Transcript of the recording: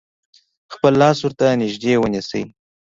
خپل لاس ورته نژدې ونیسئ.